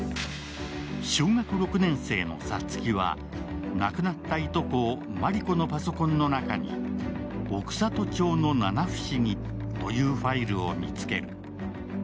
小学６年世紀のサツキは亡くなった従姉妹のマリコのパソコンの中に「奥郷町の七不思議」というファイルを見つける。